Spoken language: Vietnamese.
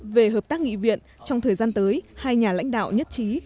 về hợp tác nghị viện trong thời gian tới hai nhà lãnh đạo nhất trí